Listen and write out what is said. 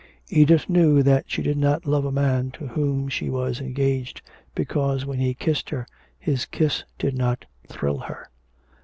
Edith knew that she did not love a man to whom she was engaged, because when he kissed her his kiss did not thrill her.